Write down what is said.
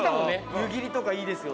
「湯切りとかいいですよ」